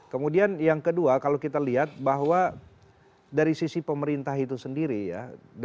kemudian yang kedua kalau kita lihat bahwa dari sisi pemerintah itu sendiri ya